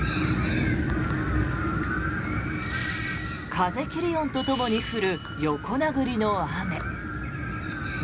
風切り音とともに降る横殴りの雨。